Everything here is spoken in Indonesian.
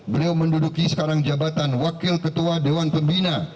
beliau menduduki sekarang jabatan wakil ketua dewan pembina